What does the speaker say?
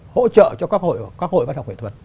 hỗ trợ cho các hội văn học nghệ thuật